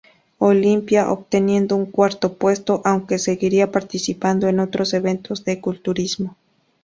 Olympia, obteniendo un cuarto puesto, aunque seguiría participando en otros eventos de culturismo.